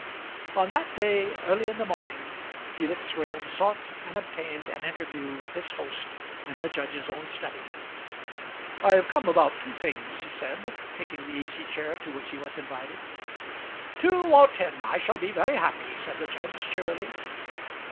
On that day, early in the morning, Felix Graham sought and obtained an interview with his host in the judge's own study. "I have come about two things," he said, taking the easy chair to which he was invited. "Two or ten, I shall be very happy," said the judge cheerily.